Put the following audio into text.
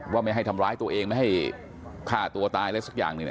ไม่ให้ทำร้ายตัวเองไม่ให้ฆ่าตัวตายอะไรสักอย่างหนึ่ง